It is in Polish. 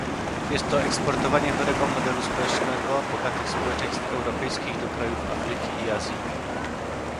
Jest to eksportowanie chorego modelu społecznego bogatych społeczeństw europejskich do krajów Afryki i Azji